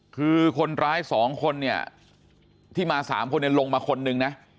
คือคนร้าย๒คนเนี่ยที่มา๓คนลงมาคนนึงนะ